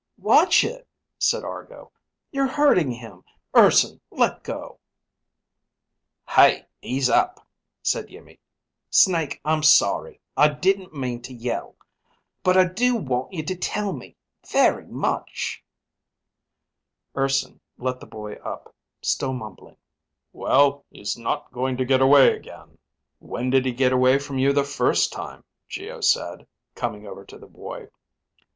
"Watch it," said Argo. "You're hurting him. Urson, let go!" "Hey, ease up," said Iimmi. "Snake, I'm sorry. I didn't mean to yell. But I do want you to tell me. Very much." Urson let the boy up, still mumbling, "Well, he's not going to get away again." "When did he get away from you the first time?" Geo said, coming over to the boy.